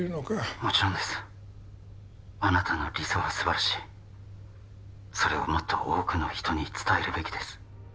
もちろんですあなたの理想は素晴らしいそれをもっと多くの人に伝えるべきです